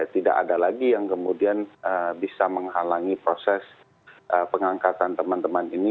tidak ada lagi yang kemudian bisa menghalangi proses pengangkatan teman teman ini